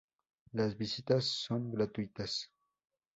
Las visitas son gratuitas.